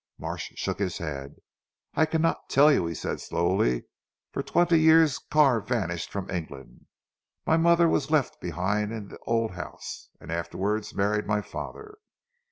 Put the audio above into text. Marsh shook his head. "I cannot tell you," said he slowly, "for twenty years Carr vanished from England. My mother was left behind in the old house, and afterwards married my father.